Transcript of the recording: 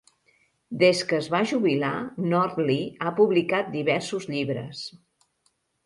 Des que es va jubilar, Nordli ha publicat diversos llibres.